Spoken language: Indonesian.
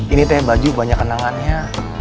ini teh baju banyak kenangannya